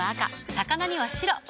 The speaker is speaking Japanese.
魚には白。